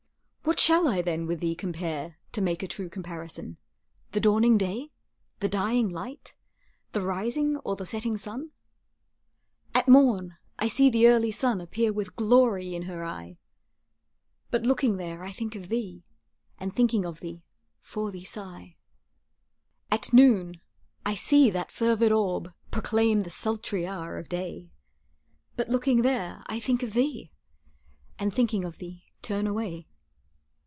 What shall I then with thee compare, To make a true comparison The dawning day, the dying light, The rising or the setting sun? At morn I see the early sun Appear with glory in her eye, But looking there, I think of thee, And thinking of thee, for thee sigh. At noon I see that fervid orb Proclaim the sultry hour of day, But looking there, I think of thee, And thinking of thee, turn away.